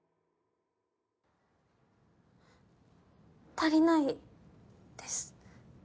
足りないです。